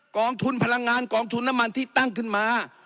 กองทุนพลังงานกองทุนน้ำมันที่ตั้งขึ้นมา